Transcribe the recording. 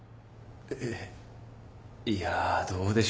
えっいやどうでしょう。